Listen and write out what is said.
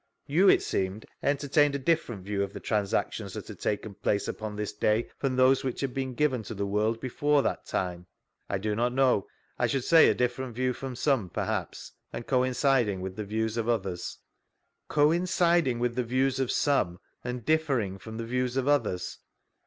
You, it seemed, entertained a different view of the transactions that had taken {dace upon this day from those which had been given to the world before that time P— I do not know; I should say a different view from some, perhaps, and coinciding with Uie views <rf others. Coinciding with die views of some, and differii^ frcHn the views of others